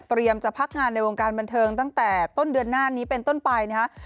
จะพักงานในวงการบันเทิงตั้งแต่ต้นเดือนหน้านี้เป็นต้นไปนะฮะ